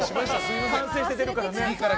完成して出るからね。